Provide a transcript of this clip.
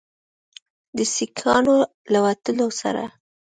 د سیکانو له وتلو سره